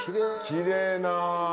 きれいな。